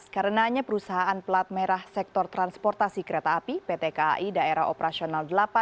karena hanya perusahaan pelat merah sektor transportasi kereta api pt kai daerah operasional delapan